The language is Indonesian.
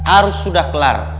arus sudah kelar